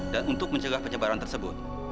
dan untuk mencegah penyebaran tersebut